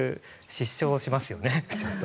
失笑しますよね。